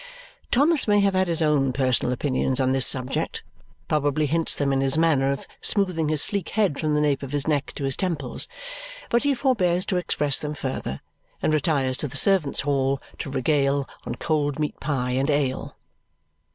Thomas may have his own personal opinions on this subject, probably hints them in his manner of smoothing his sleek head from the nape of his neck to his temples, but he forbears to express them further and retires to the servants' hall to regale on cold meat pie and ale.